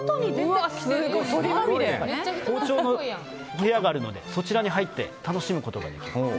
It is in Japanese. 放鳥の部屋があるのでそちらに入って楽しむことができます。